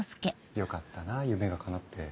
よかったな夢がかなって。